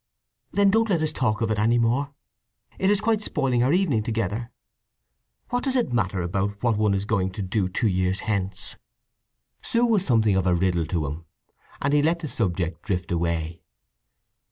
"Then don't let us talk of it any more. It is quite spoiling our evening together. What does it matter about what one is going to do two years hence!" She was something of a riddle to him, and he let the subject drift away.